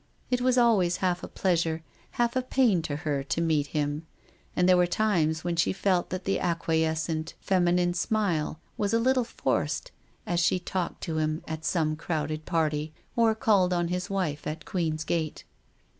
It was always half a pleasure, half a pain to her to meet him, and there were times when she felt that the acquiescent feminine smile was a little forced as she talked to him at some crowded party, or called on his wife at Queen's Gate.